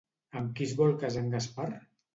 Amb qui es vol casar en Gaspar?